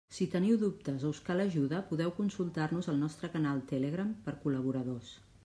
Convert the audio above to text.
Si teniu dubtes o us cal ajuda podeu consultar-nos al nostre canal Telegram per col·laboradors.